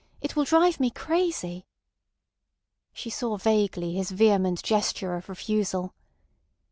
It will drive me crazy." She saw vaguely his vehement gesture of refusal.